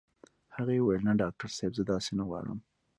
هغې وويل نه ډاکټر صاحب زه داسې نه غواړم.